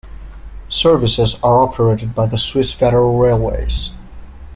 Services are operated by the Swiss Federal Railways.